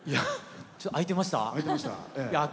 開いてました？